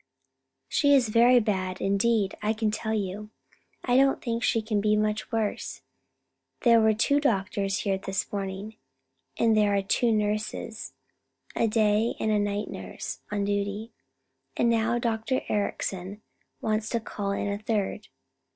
"She is very bad indeed, I can tell you; I don't think she can be much worse. There were two doctors here this morning, and there are two nurses, a day and a night nurse, on duty; and now Dr. Ericson wants to call in a third.